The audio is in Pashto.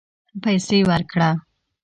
پیسې ورکړه